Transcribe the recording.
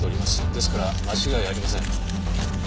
ですから間違いありません。